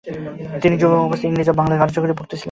তিনি যুবক অবস্থাতেই ইংরেজি ও বাংলাতে কার্যকরী বক্তা ছিলেন।